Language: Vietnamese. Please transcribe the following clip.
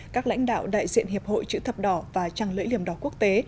các lãnh đạo đại diện hiệp hội chữ tập đỏ và trăng lưỡi liềm đỏ quốc tế